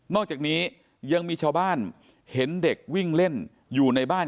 อกจากนี้ยังมีชาวบ้านเห็นเด็กวิ่งเล่นอยู่ในบ้าน